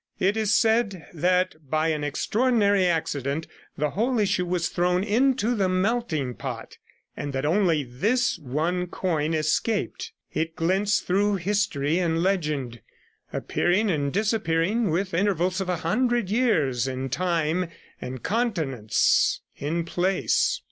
It is said that by an extraordinary accident the whole issue was thrown into the melting pot, and that only this one coin escaped. It glints through history and legend, appearing and disappearing, with intervals of a hundred years in time, and continents in place.